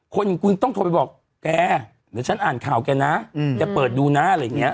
คนคุณต้องโทรไปบอกแกเดี๋ยวฉันอ่านข่าวแกนะแกเปิดดูนะอะไรอย่างนี้